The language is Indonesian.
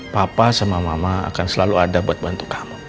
papa sama mama akan selalu ada buat bantu kamu